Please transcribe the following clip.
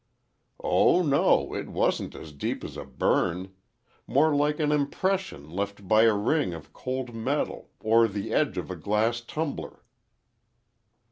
"Oh, no, it wasn't as deep as a burn. More like an impression left by a ring of cold metal or the edge of a glass tumbler."